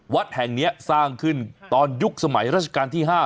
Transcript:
วัดแห่งนี้สร้างขึ้นตอนยุคสมัยราชการที่๕